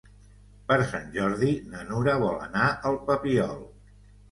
Per Sant Jordi na Nura vol anar al Papiol.